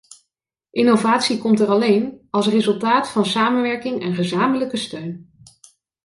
Innovatie komt er alleen als resultaat van samenwerking en gezamenlijke steun.